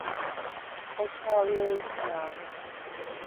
ხოჩა̄ვ ლე̄თ ჯა̄რხ!